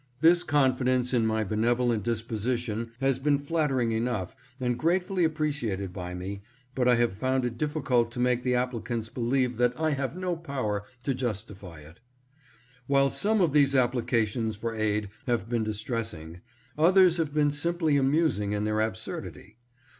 This confidence in my benevolent 642 APPEALS FOR ASSISTANCE. disposition has been flattering enough and gratefully appreciated by me, but I have found it difficult to make the applicants believe that I have no power to justify it. While some of these applications for aid have been dis tressing, others have been simply amusing in their absurdity.